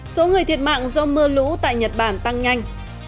số người thiệt mạng do mưa lũ tại nhật bản tăng nhanh